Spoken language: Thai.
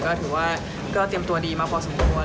ก็ถือว่าก็เตรียมตัวดีมาพอสมควร